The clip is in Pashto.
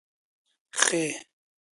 خ